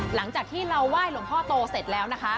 หลังจากที่เราไหว้หลวงพ่อโตเสร็จแล้วนะคะ